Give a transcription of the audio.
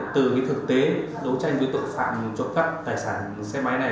từ thực tế đấu tranh với tội phạm trộm cắp tài sản xe máy này